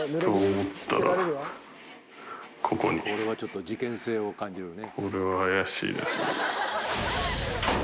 これはちょっと事件性を感じるね。